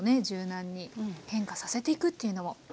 柔軟に変化させていくっていうのも。